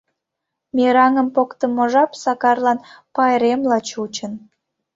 Мераҥым поктымо жап Сакарлан пайремла чучын.